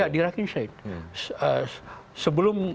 di rakhine state